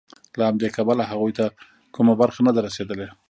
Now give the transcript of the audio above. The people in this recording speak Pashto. له همدې کبله هغوی ته کومه برخه نه ده رسېدلې